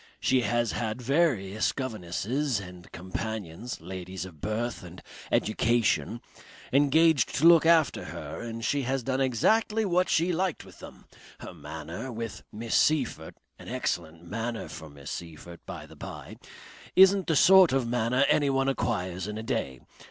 She has had various governesses and companions, ladies of birth and education, engaged to look after her and she has done exactly what she liked with them. Her manner with Miss Seyffert, an excellent manner for Miss Seyffert, by the bye, isn't the sort of manner anyone acquires in a day.